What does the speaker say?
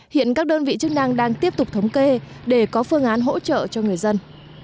hiện các đơn vị chức năng đang tiếp tục thống kê để có phương án hỗ trợ cho người dân